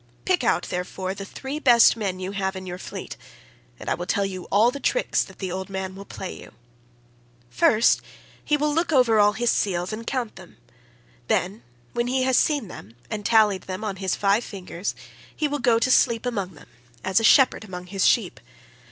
Pick out, therefore, the three best men you have in your fleet, and I will tell you all the tricks that the old man will play you. "'First he will look over all his seals, and count them; then, when he has seen them and tallied them on his five fingers, he will go to sleep among them, as a shepherd among his sheep.